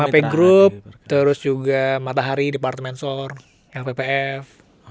map group terus juga matahari departemen shor lppf